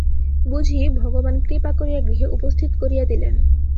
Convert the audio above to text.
বুঝি ভগবান কৃপা করিয়া গৃহে উপস্থিত করিয়া দিলেন।